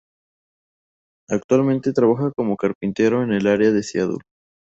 Actualmente, trabaja como carpintero en el área de Seattle.